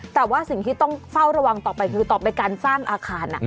แต่ว่าสิ่งที่ต้องเฝ้าระวังต่อไปคือต่อไปการสร้างอาคาร